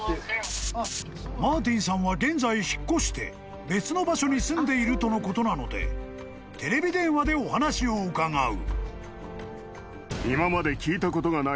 ［マーティンさんは現在引っ越して別の場所に住んでいるとのことなのでテレビ電話でお話を伺う］